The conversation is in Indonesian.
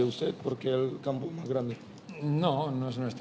untuk mencari tempat yang lebih besar